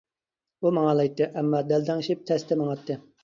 ئۇ ماڭالايتتى، ئەمما دەلدەڭشىپ تەستە ماڭاتتى.